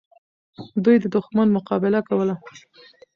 دوی د دښمن مقابله کوله.